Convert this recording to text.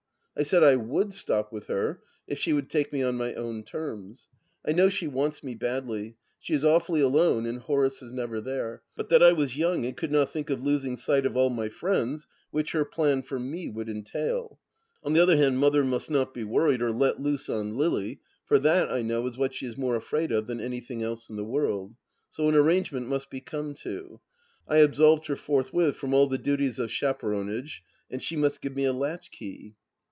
I said I would stop with her, if she would take me on my own terms. (I know she wants me badly. She is awfully alone, and Horace is never there.) But that I was young and could not think of losing sight of all my friends, which her plan for me would entail. On the other hand, Mother must not be worried, or let loose on Lily, for that I know is what she is more afraid of than anything else in the world. So an arrangement must be come to. I absolved her forth with from all the duties of chaperonage, and she must give me a latchkey.